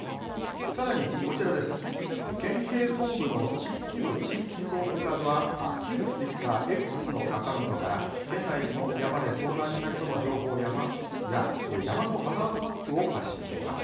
さらに、県警本部の地域部地域総務課は旧ツイッター、Ｘのアカウントから県内の山で遭難した人の情報や山のハザードマップを発信しています。